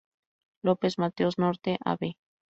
López Mateos Norte, Av.